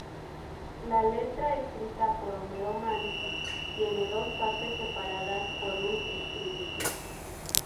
La letra escrita por Homero Manzi, tiene dos partes separadas por un estribillo.